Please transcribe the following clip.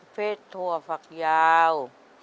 สเฟศถั่วผักยาว